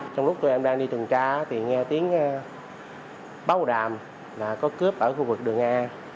trong lúc tụi em đang đi tuần tra thì nghe tiếng báo đàm là có cướp ở khu vực đường e